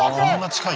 近い！